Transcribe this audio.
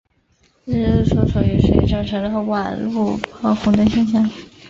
人肉搜索有时也造就了网路爆红现象。